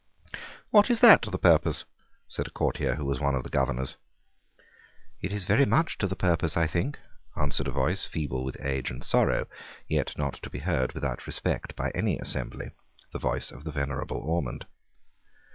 "What is that to the purpose?" said a courtier who was one of the governors. "It is very much to the purpose, I think," answered a voice, feeble with age and sorrow, yet not to be heard without respect by any assembly, the voice of the venerable Ormond.